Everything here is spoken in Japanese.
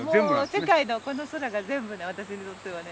もう世界のこの空が全部私にとってはね。